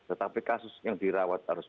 tetapi kasus yang dirawat harus